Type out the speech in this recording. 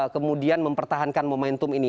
kemudian mempertahankan momentum ini